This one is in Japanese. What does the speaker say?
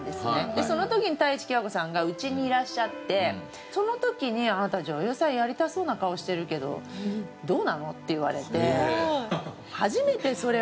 でその時に太地喜和子さんが家にいらっしゃってその時に「あなた女優さんやりたそうな顔してるけどどうなの？」って言われて。